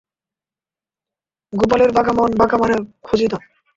গোপালের বাঁকা মন বাঁকা মানে খুঁজিত।